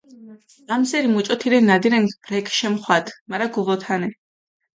ამსერი მუჭოთირენ ნადირენქ ბრელქ შეფხვადჷ, მარა გუვოთანე.